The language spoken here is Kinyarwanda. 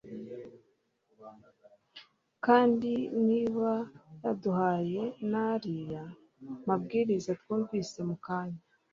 kandi ntiba yaduhaye n'ariya mabwiriza twumvise mu kanya